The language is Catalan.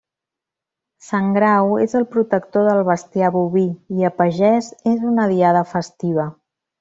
Sant Grau és el protector del bestiar boví i, a pagès és una diada festiva.